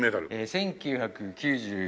１９９４年の。